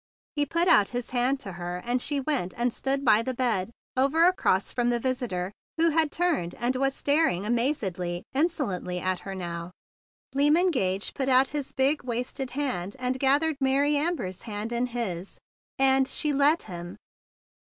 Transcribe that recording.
He put out his hand to her, and she went and stood by the bed over across from the visitor, who had turned and was staring amazedly, insolently at her now. Lyman Gage put out his big, wasted hand, and gathered Mary Amber's hand in his, and she let him!